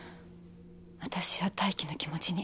私や泰生の気持ちに。